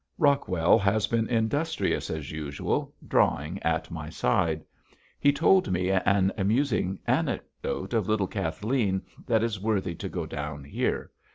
Rockwell has been industrious as usual, drawing at my side. He told me an amusing anecdote of little Kathleen that is worthy to go down here.